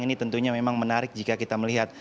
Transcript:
ini tentunya memang menarik jika kita melihat